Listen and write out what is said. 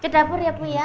ke dapur ya pu ya